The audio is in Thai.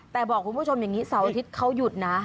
แต่บอกคุณผู้ชมอย่างนี้เสาร์อาทิตย์เขาหยุดนะ